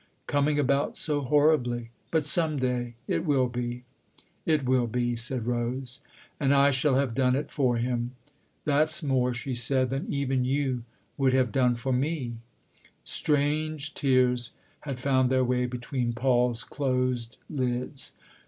"Coming about so horribly. But some day it will be." "It will be," said Rose. "And I shall have done it for him. That's more," she said, "than even you would have done for me" Strange tears had found their way between Paul's closed lids.